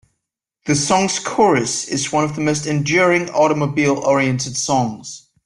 The song's chorus is one of the most enduring automobile-oriented songs.